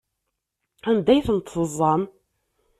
Anda ay tent-teẓẓam?